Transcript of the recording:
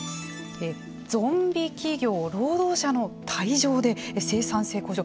ゾンビ企業、労働者の退場で生産性向上。